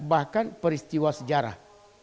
bahkan peristiwa sejarah